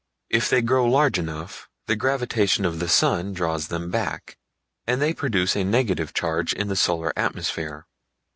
If they grow large enough the gravitation of the sun draws them back, and they produce a negative charge in the solar atmosphere.